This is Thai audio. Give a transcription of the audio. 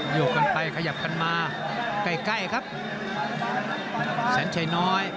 โยกกันไปขยับกันมาใกล้ใกล้ครับแสนชัยน้อย